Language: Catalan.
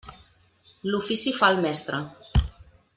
L'ofici fa el mestre.